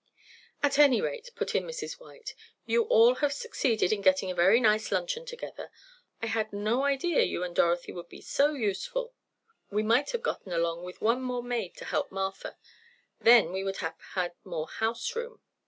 "At any rate," put in Mrs. White, "you all have succeeded in getting a very nice luncheon together. I had no idea you and Dorothy could be so useful. We might have gotten along with one more maid to help Martha. Then we would have had more house room."